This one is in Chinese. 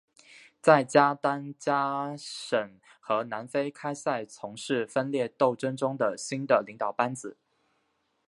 在加丹加省和南非开赛从事分裂斗争中的新的领导班子。